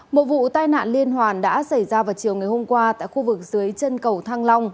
một vụ tai nạn liên hoàn đã xảy ra vào chiều ngày hôm qua tại khu vực dưới chân cầu thăng long